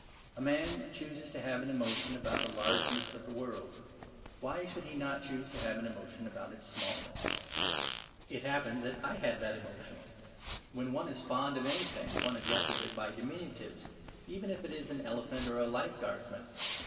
A man chooses to have an emotion about the largeness of the world; why should he not choose to have an emotion about its smallness? It happened that I had that emotion. When one is fond of anything one addresses it by diminutives, even if it is an elephant or a life guardsman.